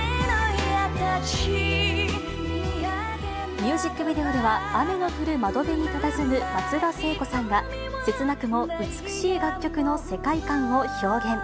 ミュージックビデオでは、雨の降る窓辺にたたずむ松田聖子さんが、切なくも美しい楽曲の世界観を表現。